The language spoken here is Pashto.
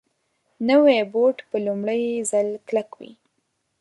نوی بوټ په لومړي ځل کلک وي